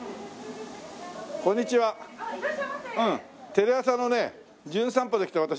テレ朝のね『じゅん散歩』で来た私